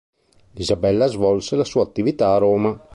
Isabella svolse la sua attività a Roma.